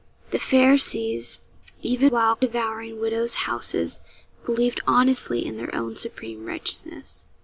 The Pharisees, even while devouring widows' houses, believed honestly in their own supreme righteousness.